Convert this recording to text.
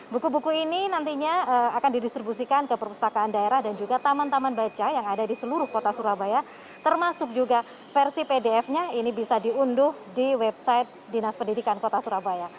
buku buku ini nantinya akan didistribusikan ke perpustakaan daerah dan juga taman taman baca yang ada di seluruh kota surabaya termasuk juga versi pdf nya ini bisa diunduh di website dinas pendidikan kota surabaya